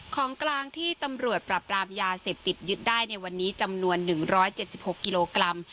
ของกลางที่ตำรวจปรับปรามยาเสพติดยึดได้ในวันนี้จำนวนหนึ่งร้อยเจ็บสิบหกกิโลกรัม